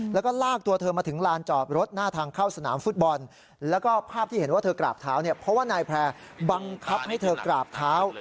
แล้วก็ลากตัวเธอมาถึงลานจอดรถหน้าทางเข้าสนามฟุตบอลแล้วก็ภาพที่เห็นว่าเธอกราบเท้าเนี่ยเพราะว่านายแพร่บังคับให้เธอกราบเท้า